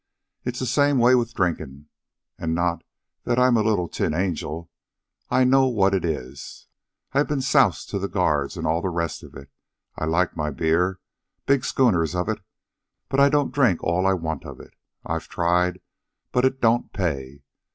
It's the same way with drinkin' an' not that I'm a little tin angel. I know what it is. I've been soused to the guards an' all the rest of it. I like my beer big schooners of it; but I don't drink all I want of it. I've tried, but it don't pay.